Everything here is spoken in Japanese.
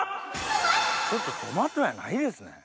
ちょっとトマトやないですね。